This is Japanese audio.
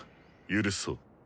許そう。